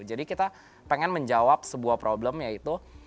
jadi kita pengen menjawab sebuah problem yaitu